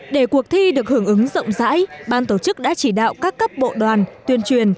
để cuộc thi được hưởng ứng rộng rãi ban tổ chức đã chỉ đạo các cấp bộ đoàn tuyên truyền